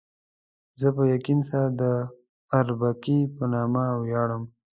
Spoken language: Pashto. زه په یقین سره د اربکي په نامه ویاړم.